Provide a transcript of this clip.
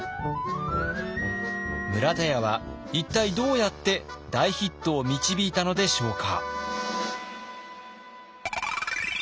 村田屋は一体どうやって大ヒットを導いたのでしょうか。